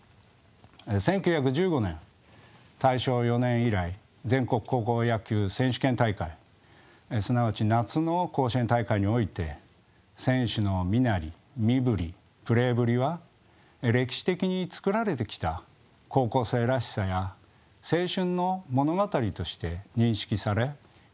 １９１５年大正４年以来全国高校野球選手権大会すなわち「夏の甲子園大会」において選手の身なり身ぶりプレーぶりは歴史的につくられてきた「高校生らしさ」や「青春」の物語として認識され記憶化されてきました。